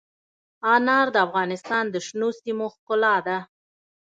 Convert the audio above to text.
انار د افغانستان د شنو سیمو ښکلا ده.